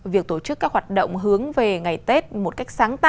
việc tổ chức các hoạt động hướng về ngày tết một cách sáng tạo